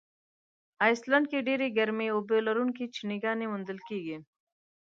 آیسلنډ کې ډېرې ګرمي اوبه لرونکي چینهګانې موندل کیږي.